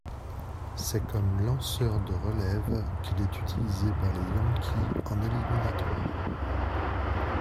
C'est comme lanceur de relève qu'il est utilisé par les Yankees en éliminatoires.